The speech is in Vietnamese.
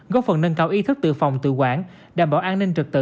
góp phần nâng cao ý thức tự phòng tự quản đảm bảo an ninh trật tự